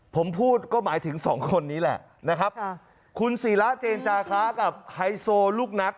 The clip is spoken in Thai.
ผมพูดก็หมายถึงสองคนนี้แหละนะครับค่ะคุณศิระเจนจาคะกับไฮโซลูกนัด